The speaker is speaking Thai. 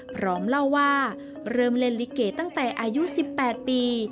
พร้อมเล่าว่าเริ่มเล่นลิเกตั้งแต่อายุ๑๘ปี